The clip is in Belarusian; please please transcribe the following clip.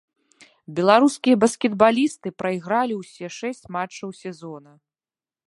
Беларускія баскетбалісты прайгралі ўсе шэсць матчаў сезона.